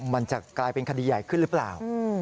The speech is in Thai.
มันจะกลายเป็นคดีใหญ่ขึ้นหรือเปล่า